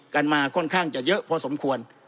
กันมาค่อนข้างจะเยอะพอสมควร